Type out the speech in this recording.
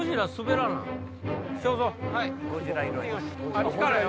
あっちからよ